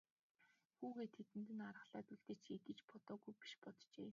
Хүүгээ тэнд нь аргалаад үлдээчихье гэж бодоогүй биш боджээ.